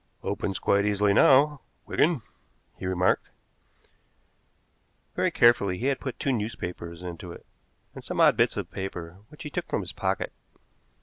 "Opens quite easily now, Wigan," he remarked. Very carefully he had put two newspapers into it, and some odd bits of paper, which he took from his pocket.